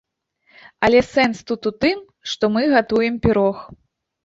Але сэнс тут у тым, што мы гатуем пірог.